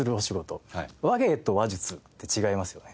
話芸と話術って違いますよね？